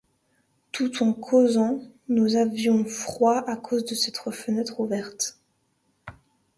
Tout en causant, nous avions froid à cause de cette fenêtre ouverte.